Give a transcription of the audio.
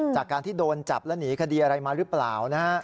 จากการที่โดนจับและหนีคดีอะไรมาหรือเปล่านะฮะ